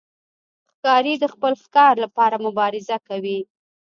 ښکاري د خپل ښکار لپاره مبارزه کوي.